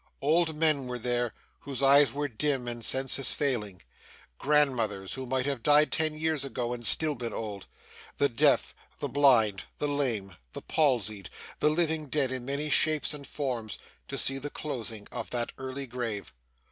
Old men were there, whose eyes were dim and senses failing grandmothers, who might have died ten years ago, and still been old the deaf, the blind, the lame, the palsied, the living dead in many shapes and forms, to see the closing of that early grave.